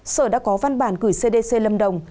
sở đã có văn bản gửi cdc lâm đồng